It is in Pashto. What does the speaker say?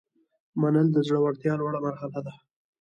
منل د زړورتیا لوړه مرحله ده.